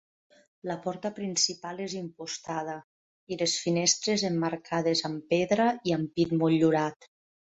La porta principal és impostada i les finestres emmarcades amb pedra i ampit motllurat.